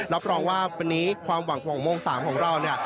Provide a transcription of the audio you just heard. รับรองว่าวันนี้ความหวังของโมง๓ของเราเนี่ย